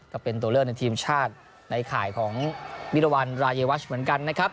ก็เป็นตัวเลือกในทีมชาติในข่ายของมิรวรรณรายวัชเหมือนกันนะครับ